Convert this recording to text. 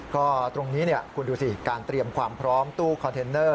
ก็ตรงนี้คุณดูสิการเตรียมความพร้อมตู้คอนเทนเนอร์